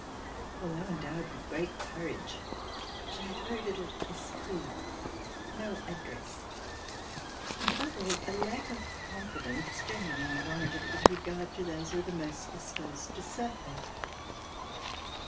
Although en dowed with great courage, she had very little esprit, no address, and, above all, a lack of confidence, generally unwarranted, with regard to those who were the most disposed to serve her.